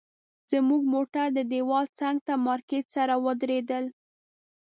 زموږ موټر د دیوال څنګ ته مارکیټ سره ودرېدل.